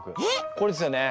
これですよね？